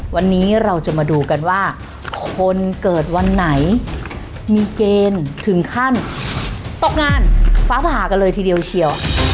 วันนี้เราจะมาดูกันว่าคนเกิดวันไหนมีเกณฑ์ถึงขั้นตกงานฟ้าผ่ากันเลยทีเดียวเชียว